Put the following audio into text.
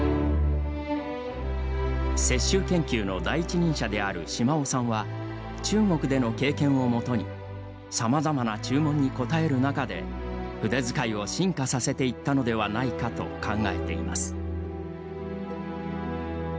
雪舟研究の第一人者である島尾さんは中国での経験をもとにさまざまな注文に応える中で筆づかいを進化させていったのではないかと考えています。